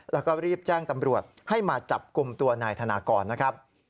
แล้วก็รีบแจ้งตำรวจให้มาจับกลุ่มตัวนายธนากรนะครับ